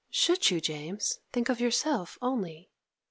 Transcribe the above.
Should you, James, think of yourself only?